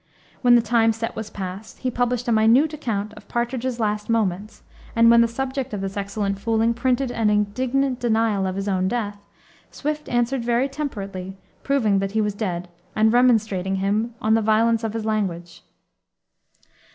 When the time set was past, he published a minute account of Partridge's last moments; and when the subject of this excellent fooling printed an indignant denial of his own death, Swift answered very temperately, proving that he was dead and remonstrating with him on the violence of his language.